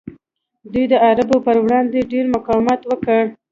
دوی د عربو پر وړاندې ډیر مقاومت وکړ